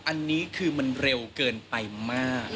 อันนี้คือมันเร็วเกินไปมาก